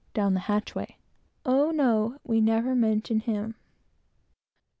down the hatch way, singing, "Oh, no, we never mention him."